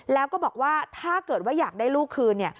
แล้วก็บอกว่าถ้าเกิดว่าอยากได้ลูกคืน